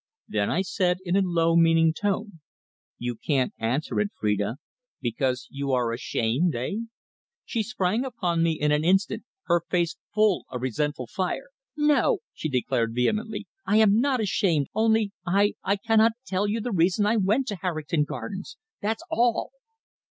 Then I said in a low, meaning tone: "You can't answer it, Phrida, because you are ashamed, eh?" She sprang upon me in an instant, her face full of resentful fire. "No!" she declared vehemently. "I am not ashamed only I I cannot tell you the reason I went to Harrington Gardens. That's all."